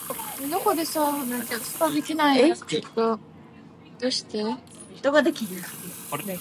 He is also an executive producer for comedy television series "Detroiters".